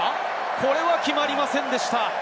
これは決まりませんでした。